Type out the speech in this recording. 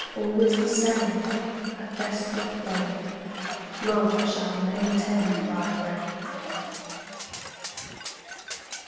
Always the same, a vestal flame, Love shall maintain thy ray.